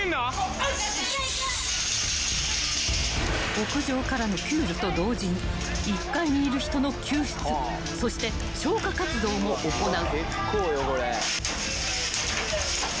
［屋上からの救助と同時に１階にいる人の救出そして消火活動も行う］